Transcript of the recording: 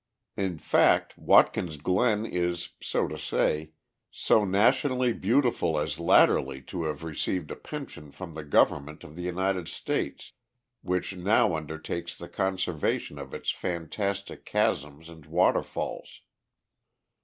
In fact, Watkins Glen is, so to say, so nationally beautiful as latterly to have received a pension from the Government of the United States, which now undertakes the conservation of its fantastic chasms and waterfalls.